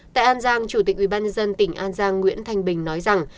tại an giang chủ tịch ủy ban nhân dân tỉnh an giang nguyễn thành bình nói rằng